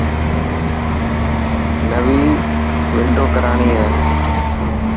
نوي ونڊو ڪراڻي هي.